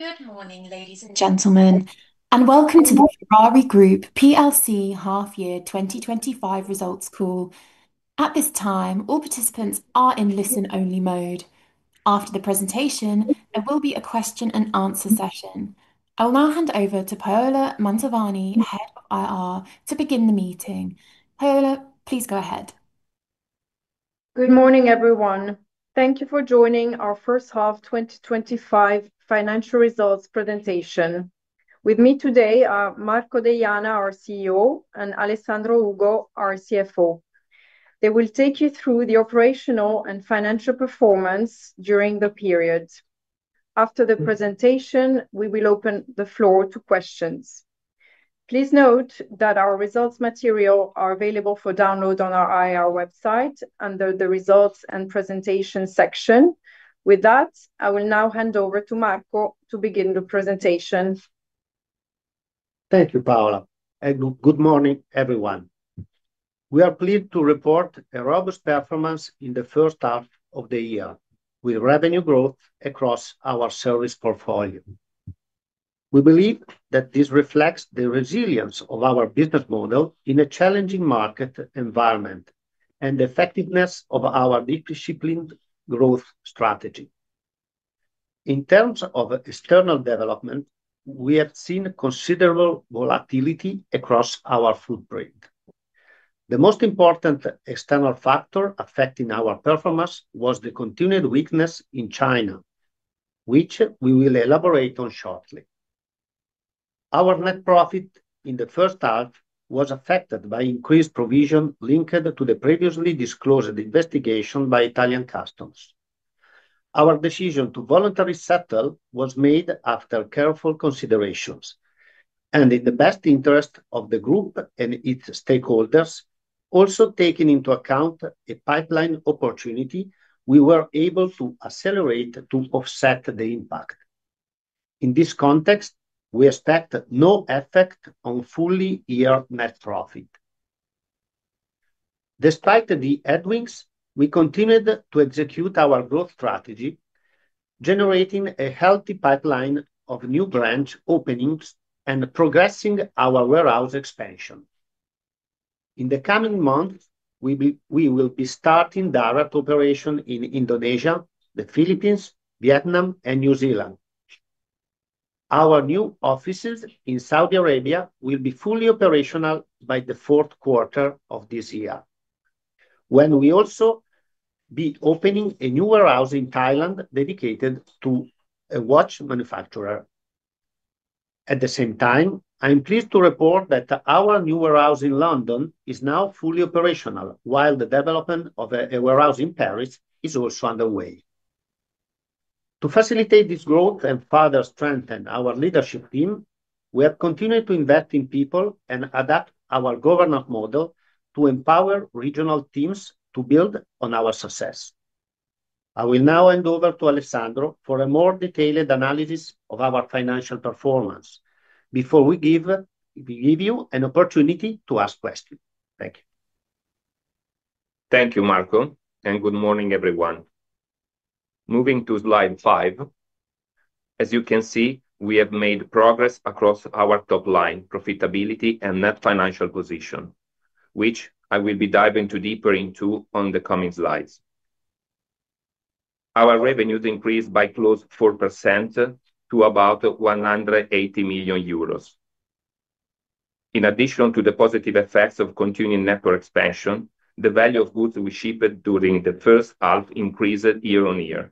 Good morning, ladies and gentlemen, and welcome to the Ferrari Group PLC Half Year 2025 Results Call. At this time, all participants are in listen-only mode. After the presentation, there will be a question and answer session. I will now hand over to Paola Mantovani, Head of Investor Relations, to begin the meeting. Paola, please go ahead. Good morning, everyone. Thank you for joining our first half 2025 financial results presentation. With me today are Marco Degl’Innocenti, our CEO, and Alessandro Ugo, our CFO. They will take you through the operational and financial performance during the period. After the presentation, we will open the floor to questions. Please note that our results material is available for download on our IR website under the Results and Presentations section. With that, I will now hand over to Marco to begin the presentation. Thank you, Paola, and good morning, everyone. We are pleased to report a robust performance in the first half of the year with revenue growth across our service portfolio. We believe that this reflects the resilience of our business model in a challenging market environment and the effectiveness of our disciplined growth strategy. In terms of external developments, we have seen considerable volatility across our footprint. The most important external factor affecting our performance was the continued weakness in China, which we will elaborate on shortly. Our net profit in the first half was affected by increased provisions linked to the previously disclosed investigation by Italian Customs. Our decision to voluntarily settle was made after careful considerations, and in the best interest of the group and its stakeholders, also taking into account a pipeline opportunity, we were able to accelerate to offset the impact. In this context, we expect no effect on full year net profit. Despite the earnings, we continued to execute our growth strategy, generating a healthy pipeline of new branch openings and progressing our warehouse expansion. In the coming months, we will be starting direct operations in Indonesia, the Philippines, Vietnam, and New Zealand. Our new offices in Saudi Arabia will be fully operational by the fourth quarter of this year, when we will also be opening a new warehouse in Thailand dedicated to a watch manufacturer. At the same time, I am pleased to report that our new warehouse in London is now fully operational, while the development of a warehouse in Paris is also underway. To facilitate this growth and further strengthen our leadership team, we are continuing to invest in people and adapt our governance model to empower regional teams to build on our success. I will now hand over to Alessandro for a more detailed analysis of our financial performance before we give you an opportunity to ask questions. Thank you. Thank you, Marco, and good morning, everyone. Moving to slide five, as you can see, we have made progress across our top line profitability and net financial position, which I will be diving deeper into on the coming slides. Our revenues increased by close to 4% to about €180 million. In addition to the positive effects of continued network expansion, the value of goods we shipped during the first half increased year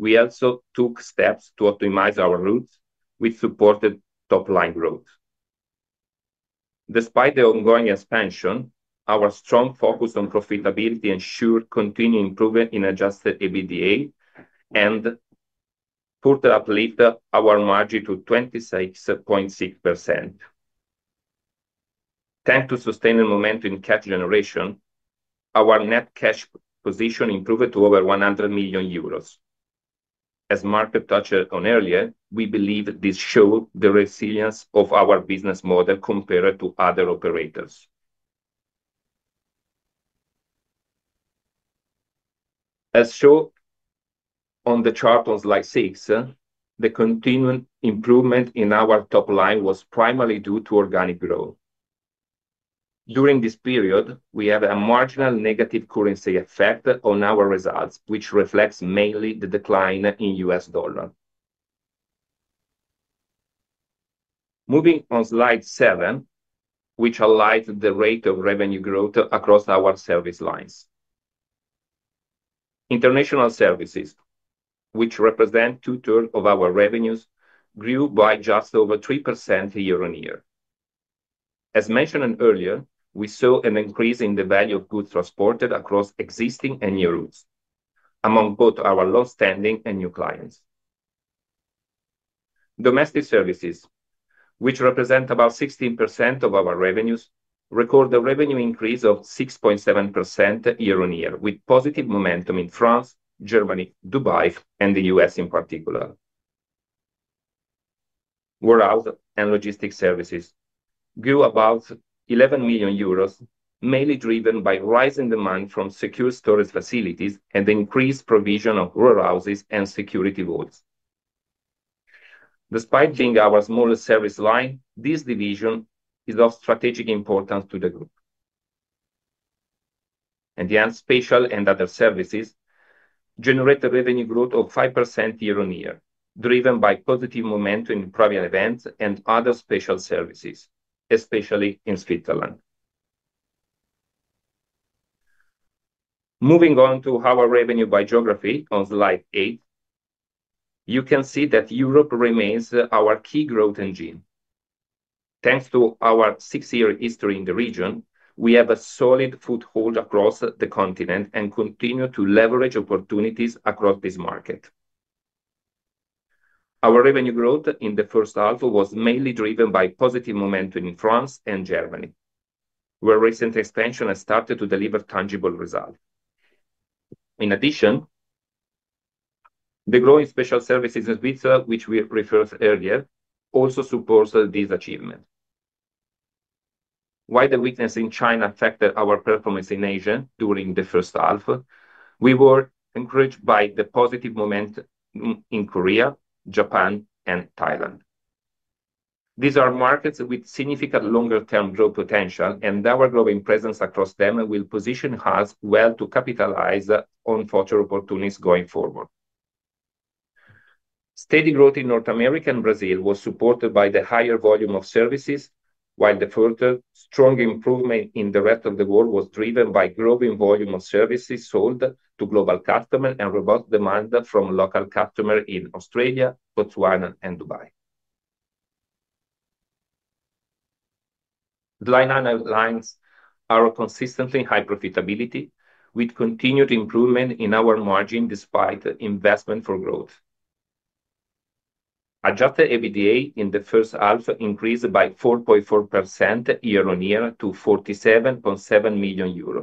on year. We also took steps to optimize our routes, which supported top line growth. Despite the ongoing expansion, our strong focus on profitability ensured continued improvement in adjusted EBITDA and further uplifted our margin to 26.6%. Thanks to sustained momentum in cash generation, our net cash position improved to over €100 million. As Marco touched on earlier, we believe this shows the resilience of our business model compared to other operators. As shown on the chart on slide six, the continued improvement in our top line was primarily due to organic growth. During this period, we had a marginal negative currency effect on our results, which reflects mainly the decline in the U.S. dollar. Moving on to slide seven, which highlights the rate of revenue growth across our service lines. International services, which represent two-thirds of our revenues, grew by just over 3% year on year. As mentioned earlier, we saw an increase in the value of goods transported across existing and new routes among both our long-standing and new clients. Domestic services, which represent about 16% of our revenues, recorded a revenue increase of 6.7% year on year, with positive momentum in France, Germany, Dubai, and the U.S. in particular. Warehouse and logistics services grew about €11 million, mainly driven by rising demand from secure storage facilities and the increased provision of warehouses and security vaults. Despite being our smallest service line, this division is of strategic importance to the group. The special and other services generated a revenue growth of 5% year on year, driven by positive momentum in private events and other special services, especially in Switzerland. Moving on to our revenue by geography on slide eight, you can see that Europe remains our key growth engine. Thanks to our six-year history in the region, we have a solid foothold across the continent and continue to leverage opportunities across this market. Our revenue growth in the first half was mainly driven by positive momentum in France and Germany, where recent expansion has started to deliver tangible results. In addition, the growing special services in Switzerland, which we referred to earlier, also supports this achievement. While the weakness in China affected our performance in Asia during the first half, we were encouraged by the positive momentum in Korea, Japan, and Thailand. These are markets with significant longer-term growth potential, and our growing presence across them will position us well to capitalize on future opportunities going forward. Steady growth in North America and Brazil was supported by the higher volume of services, while the further strong improvement in the rest of the world was driven by growing volume of services sold to global customers and robust demand from local customers in Australia, Botswana, and Dubai. The line outlines our consistently high profitability with continued improvement in our margin despite investment for growth. Adjusted EBITDA in the first half increased by 4.4% year on year to €47.7 million,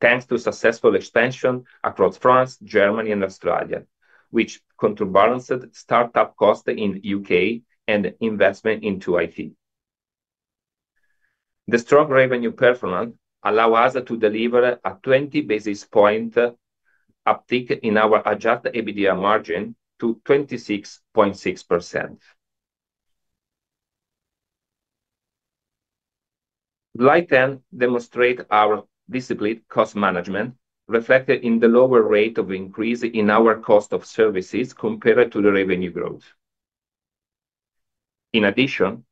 thanks to successful expansion across France, Germany, and Australia, which counterbalanced startup costs in the U.K. and investment into IT. The strong revenue performance allows us to deliver a 20 basis point uptick in our adjusted EBITDA margin to 26.6%. Slide ten demonstrates our disciplined cost management, reflected in the lower rate of increase in our cost of services compared to the revenue growth. In addition,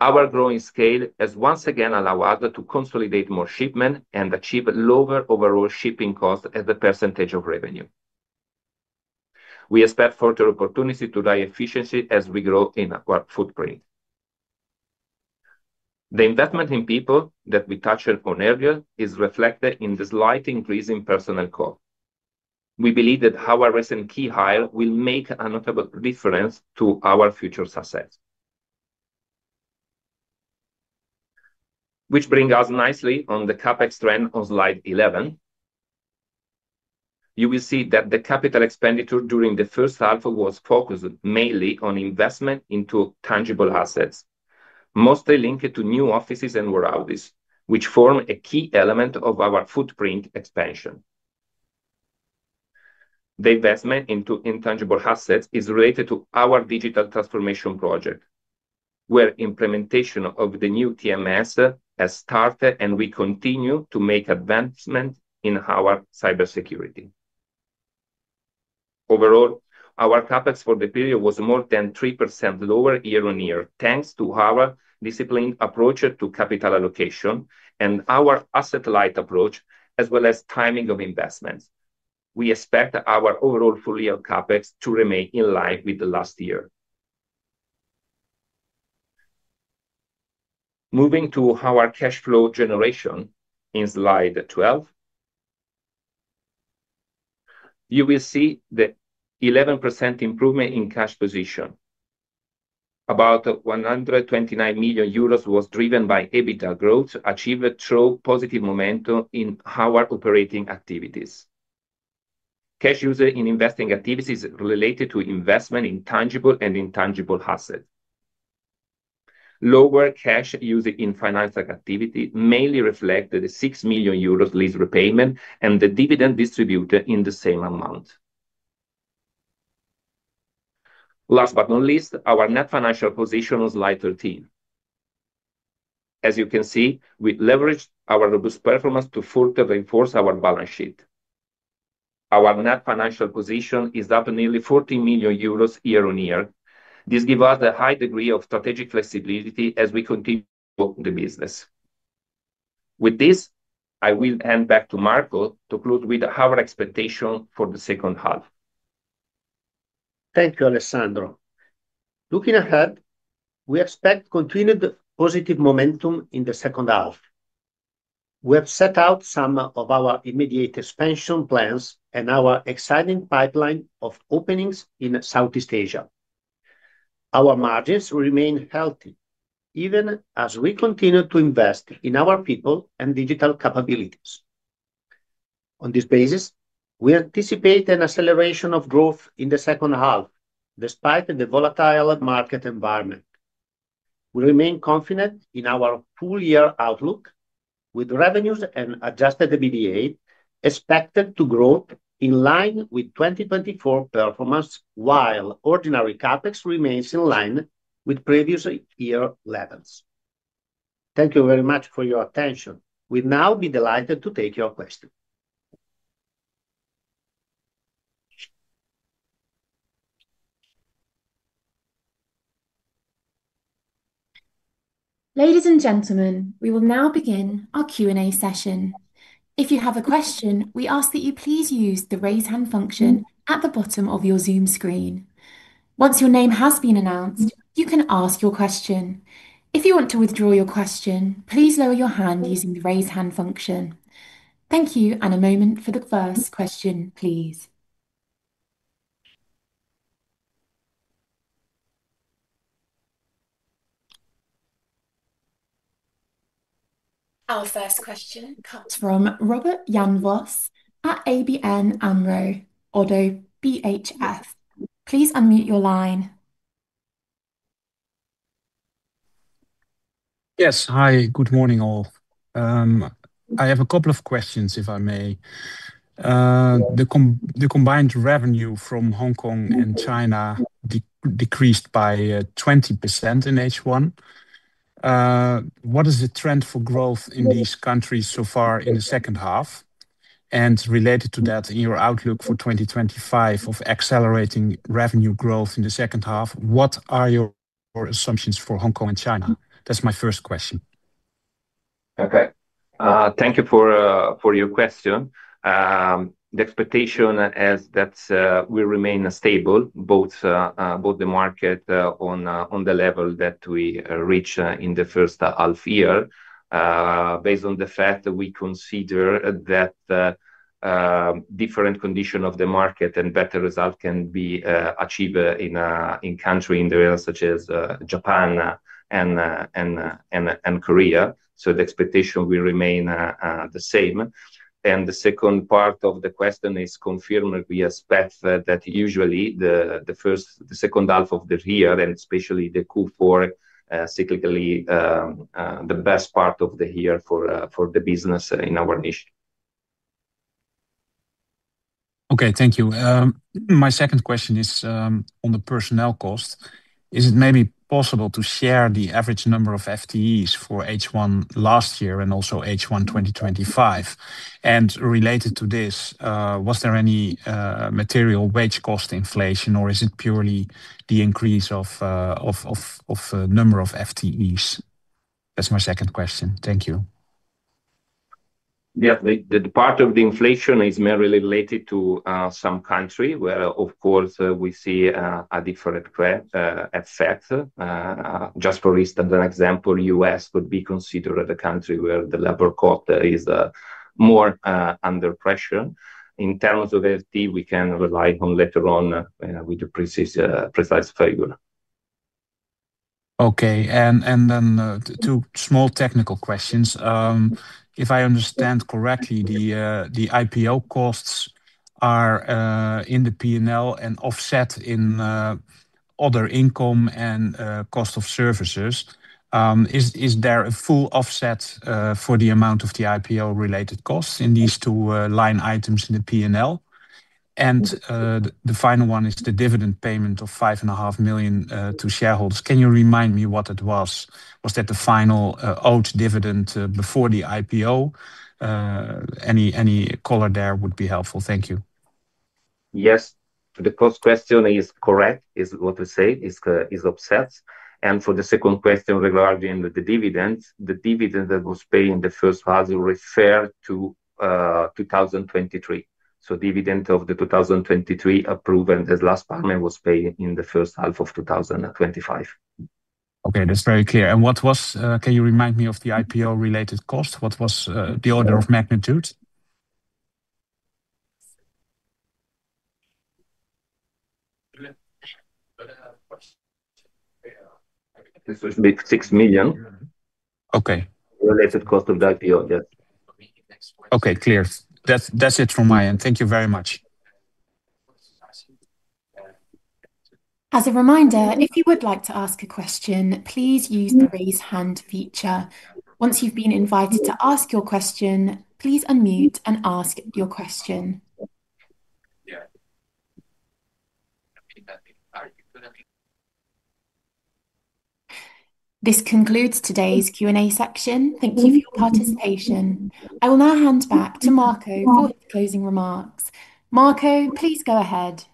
our growing scale has once again allowed us to consolidate more shipments and achieve lower overall shipping costs as a percentage of revenue. We expect further opportunities to drive efficiency as we grow in our footprint. The investment in people that we touched on earlier is reflected in the slight increase in personnel costs. We believe that our recent key hire will make a notable difference to our future success. This brings us nicely to the CapEx trend on slide 11. You will see that the capital expenditure during the first half was focused mainly on investment into tangible assets, mostly linked to new offices and warehouses, which form a key element of our footprint expansion. The investment into intangible assets is related to our digital transformation project, where implementation of the new TMS has started and we continue to make advancements in our cybersecurity. Overall, our CapEx for the period was more than 3% lower year on year, thanks to our disciplined approach to capital allocation and our asset-light approach, as well as timing of investments. We expect our overall fully held CapEx to remain in line with last year. Moving to our cash flow generation in slide 12, you will see the 11% improvement in cash position. About €129 million was driven by EBITDA growth, achieved through positive momentum in our operating activities. Cash used in investing activities is related to investment in tangible and intangible assets. Lower cash used in financial activity mainly reflected the €6 million lease repayment and the dividend distributed in the same amount. Last but not least, our net financial position on slide 13. As you can see, we leveraged our robust performance to further reinforce our balance sheet. Our net financial position is up nearly €14 million year on year. This gives us a high degree of strategic flexibility as we continue to grow the business. With this, I will hand back to Marco to close with our expectation for the second half. Thank you, Alessandro. Looking ahead, we expect continued positive momentum in the second half. We have set out some of our immediate expansion plans and our exciting pipeline of openings in Southeast Asia. Our margins remain healthy, even as we continue to invest in our people and digital capabilities. On this basis, we anticipate an acceleration of growth in the second half, despite the volatile market environment. We remain confident in our full-year outlook, with revenues and adjusted EBITDA expected to grow in line with 2024 performance, while ordinary CapEx remains in line with previous year levels. Thank you very much for your attention. We'd now be delighted to take your questions. Ladies and gentlemen, we will now begin our Q&A session. If you have a question, we ask that you please use the raise hand function at the bottom of your Zoom screen. Once your name has been announced, you can ask your question. If you want to withdraw your question, please lower your hand using the raise hand function. Thank you, and a moment for the first question, please. Our first question comes from Robert Jan Vos at ABN AMRO. Please unmute your line. Yes, hi, good morning all. I have a couple of questions, if I may. The combined revenue from Hong Kong and China decreased by 20% in H1. What is the trend for growth in these countries so far in the second half? Related to that, in your outlook for 2025 of accelerating revenue growth in the second half, what are your assumptions for Hong Kong and China? That's my first question. Okay. Thank you for your question. The expectation is that we remain stable, both the market on the level that we reached in the first half year, based on the fact that we consider that different conditions of the market and better results can be achieved in countries such as Japan and Korea. The expectation will remain the same. The second part of the question is confirmed that we expect that usually the second half of the year, and especially Q4, is cyclically the best part of the year for the business in our niche. Okay, thank you. My second question is on the personnel cost. Is it maybe possible to share the average number of FTEs for H1 last year and also H1 2025? Related to this, was there any material wage cost inflation, or is it purely the increase of the number of FTEs? That's my second question. Thank you. Yeah, the part of the inflation is merely related to some countries where, of course, we see a different effect. For instance, the U.S. would be considered a country where the labor cost is more under pressure. In terms of FTE, we can rely on later on with a precise figure. Okay, and then two small technical questions. If I understand correctly, the IPO-related costs are in the P&L and offset in other income and cost of services. Is there a full offset for the amount of the IPO-related costs in these two line items in the P&L? The final one is the dividend payment of $5.5 million to shareholders. Can you remind me what it was? Was that the final owed dividend before the IPO? Any color there would be helpful. Thank you. Yes, the first question is correct, is what we said, is offset. For the second question regarding the dividend, the dividend that was paid in the first half referred to 2023. The dividend of the 2023 approval as last payment was paid in the first half of 2025. Okay, that's very clear. What was, can you remind me of the IPO-related cost? What was the order of magnitude? It was about $6 million. Okay. Related cost of the IPO, yes. Okay, clear. That's it from my end. Thank you very much. As a reminder, if you would like to ask a question, please use the raise hand feature. Once you've been invited to ask your question, please unmute and ask your question. This concludes today's Q&A section. Thank you for your participation. I will now hand back to Marco Degl’Innocenti for closing remarks. Marco, please go ahead.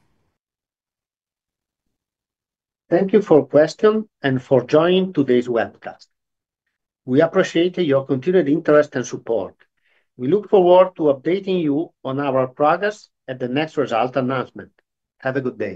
Thank you for your question and for joining today's webcast. We appreciate your continued interest and support. We look forward to updating you on our progress at the next result announcement. Have a good day.